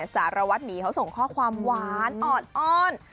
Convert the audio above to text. สารวัตน์นี้เขาส่งข้อความหวานอ่อน